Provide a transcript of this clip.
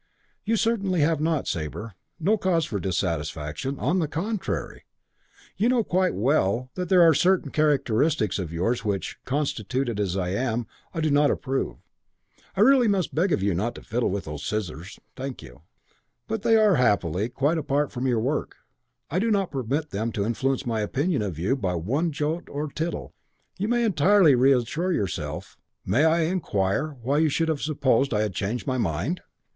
"You certainly have not, Sabre. No cause for dissatisfaction. On the contrary. You know quite well that there are certain characteristics of yours of which, constituted as I am, I do not approve. I really must beg of you not to fiddle with those scissors. Thank you. But they are, happily, quite apart from your work. I do not permit them to influence my opinion of you by one jot or tittle. You may entirely reassure yourself. May I inquire why you should have supposed I had changed my mind?"